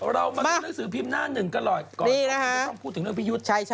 เรามาที่นักศึกภิมธ์หน้าหนึ่งก็หล่อยก่อนอย่าต้องพูดถึงเรื่องพี่ยุทธ์